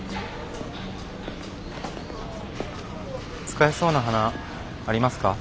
使えそうな花ありますか？